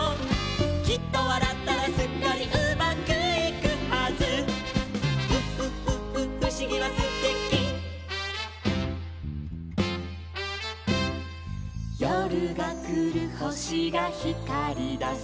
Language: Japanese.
「きっとわらったらすっかりうまくいくはず」「うふふふふしぎはすてき」「よるがくるほしがひかりだす」